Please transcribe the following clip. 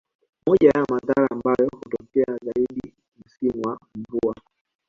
Moja ya maradhi ambayo hutokea zaidi msimu wa mvua